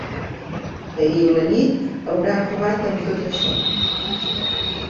Ahir a la nit haurà acabat amb tot això.